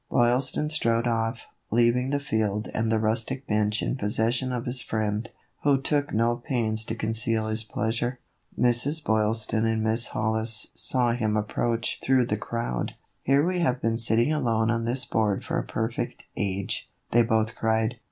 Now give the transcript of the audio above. Boylston strode off, leaving the field and the rustic bench in possession of his friend, who took no pains to conceal his pleasure. Mrs. Boylston and Miss Hollis saw him approach through the crowd. " Here we have been sitting alone on this board for a perfect age," they both cried.